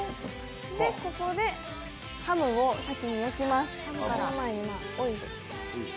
ここでハムを先に焼きます。